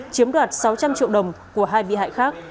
chiếm đoạt sáu trăm linh triệu đồng của hai bị hại khác